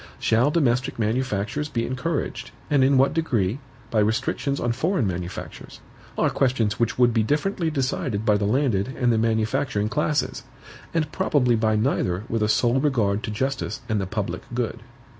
Shall domestic manufactures be encouraged, and in what degree, by restrictions on foreign manufactures? are questions which would be differently decided by the landed and the manufacturing classes, and probably by neither with a sole regard to justice and the public good.